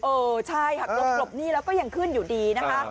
เออใช่หักหลบหลบหนี้แล้วก็ยังขึ้นอยู่ดีนะคะ